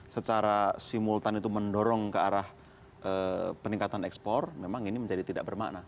secara simultan itu mendorong ke arah peningkatan ekspor memang ini menjadi tidak bermakna